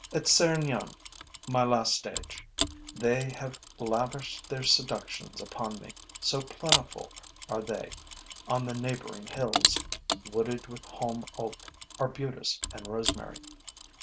At Serignan, my last stage, they have lavished their seductions upon me, so plentiful are they on the neighboring hills, wooded with holm oak, arbutus and rosemary.